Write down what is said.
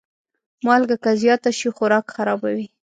مالګه که زیاته شي، خوراک خرابوي.